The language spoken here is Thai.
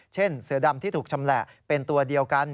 เช่นเสือดำที่ถูกชำแหละเป็นตัวเดียวกัน